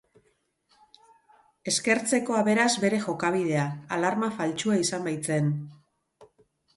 Eskertzekoa, beraz, bere jokabidea, alarma faltsua izan baitzen.